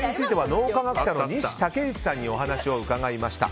脳科学者の西剛志さんにお話を伺いました。